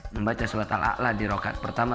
membaca surat al a'la di rokaat pertama